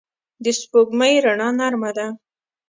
د سپوږمۍ رڼا نرمه ده